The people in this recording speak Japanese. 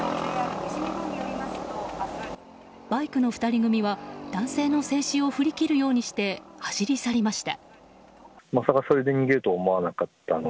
バイクの２人組は男性の制止を振り切るようにして走り去りました。